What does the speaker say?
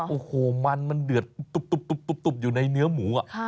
โอ้โหมันมันเดือดตุ๊บอยู่ในเนื้อหมู